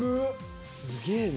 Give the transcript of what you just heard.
すげえな。